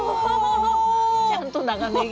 ちゃんと長ネギ。